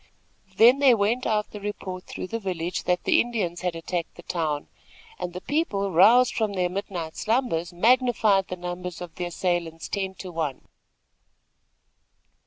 Then there went out the report through the village that the Indians had attacked the town, and the people, roused from their midnight slumbers, magnified the numbers of the assailants ten to one.